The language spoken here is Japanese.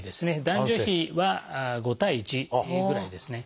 男女比は５対１ぐらいですね。